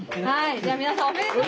じゃあ皆さんおめでとう。